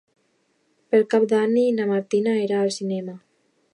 Per Cap d'Any na Martina irà al cinema.